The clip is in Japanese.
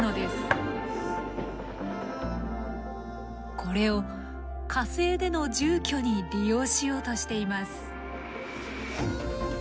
これを火星での住居に利用しようとしています。